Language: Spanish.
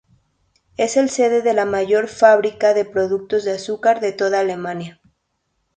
Es el sede de la mayor fábrica de producción de azúcar de toda Alemania.